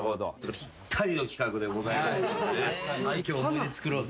ぴったりの企画でございます。